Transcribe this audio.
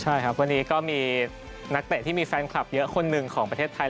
ใช่ครับวันนี้ก็มีนักเตะที่มีแฟนคลับเยอะคนหนึ่งของประเทศไทย